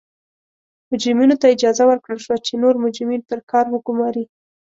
مجرمینو ته اجازه ورکړل شوه چې نور مجرمین پر کار وګوماري.